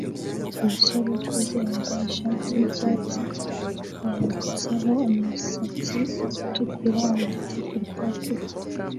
Umusore ukuze wambaye ishati yicyatsi yanditseho umusatsi utukura wanditse kurupapuro